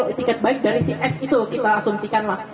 itu ikat baik dari si s itu kita asumsikan lah